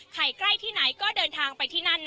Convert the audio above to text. ใกล้ที่ไหนก็เดินทางไปที่นั่น